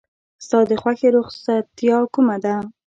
ستا د خوښې رخصتیا کومه ده؟